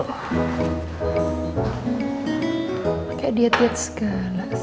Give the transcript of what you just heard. kayak diet diet segala sih